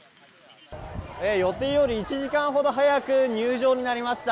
予定より１時間ほど早く入場になりました。